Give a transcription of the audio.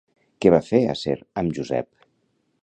Què va fer Aser amb Josep?